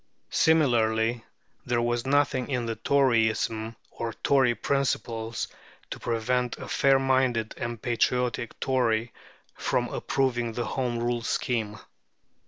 Similarly, there was nothing in Toryism or Tory principles to prevent a fair minded and patriotic Tory from approving the Home Rule scheme.